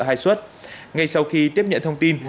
hai suất ngay sau khi tiếp nhận thông tin